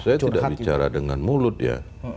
saya tidak bicara dengan mulut ya